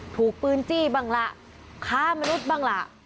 ถูกปืนจี้บางละฆ่ามนุษย์บางละ